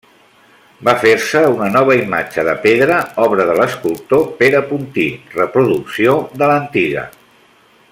Va fer-se una nova imatge de pedra, obra de l’escultor Pere Puntí, reproducció de l’antiga.